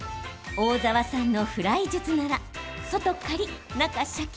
大澤さんのフライ術なら外カリ、中シャキ！